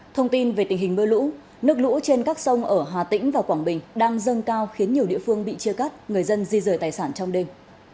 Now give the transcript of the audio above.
thông tin về tình hình mưa lũ nước lũ trên các sông ở hà tĩnh và quảng bình đang dâng cao khiến nhiều địa phương bị chia cắt người dân di rời tài sản trong đêm